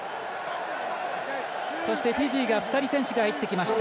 そして、フィジーが２人選手が入ってきました。